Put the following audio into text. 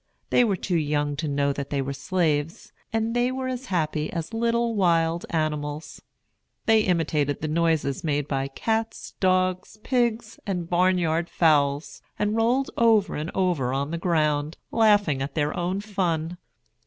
They were too young to know that they were slaves, and they were as happy as little wild animals. They imitated the noises made by cats, dogs, pigs, and barn yard fowls, and rolled over and over on the ground, laughing at their own fun.